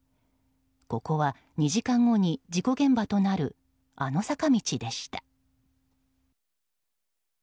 ここは２時間後に事故現場となるあの坂道でした。